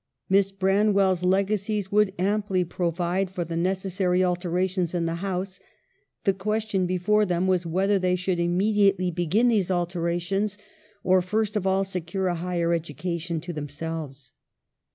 Miss Branwell's legacies would amply provide for the necessary alterations in the house ; the question before them was whether they should immediately be gin these alterations, or first of all secure a higher education to themselves.